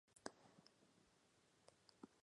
Alguien gastó el dinero antes de que llegue a mi.